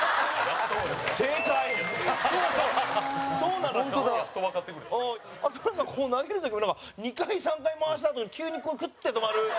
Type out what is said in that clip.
あとなんかこう投げる時も２回３回回したあとに急にクッて止まる。